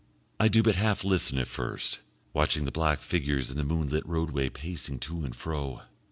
I do but half listen at first watching the black figures in the moonlit roadway pacing to and fro.